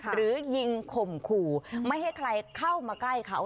หรือยิงข่มขู่ไม่ให้ใครเข้ามาใกล้เขา